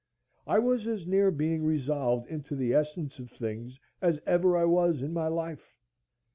I was as near being resolved into the essence of things as ever I was in my life.